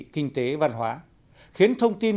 kinh tế văn hóa khiến thông tin